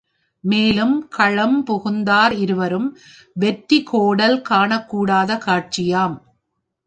மேலும் களம் புகுந்தார் இருவரும் வெற்றி கோடல் காணக்கூடாத காட்சியாம்.